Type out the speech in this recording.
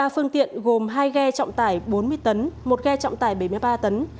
ba phương tiện gồm hai ghe trọng tải bốn mươi tấn một ghe trọng tải bảy mươi ba tấn